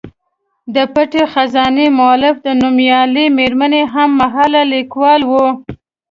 د پټې خزانې مولف د نومیالۍ میرمنې هم مهاله لیکوال و.